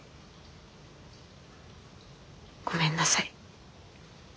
ごめんなさい。